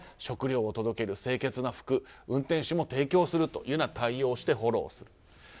食料を届ける、清潔な服運転手も提供するというような対応をしてフォローをする。